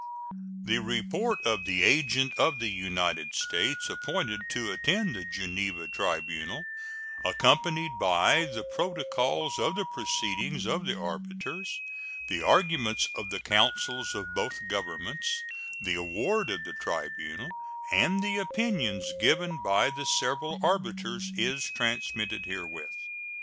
The report of the agent of the United States appointed to attend the Geneva tribunal, accompanied by the protocols of the proceedings of the arbitrators, the arguments of the counsel of both Governments, the award of the tribunal, and the opinions given by the several arbitrators, is transmitted herewith.